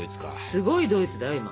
すごいドイツだよ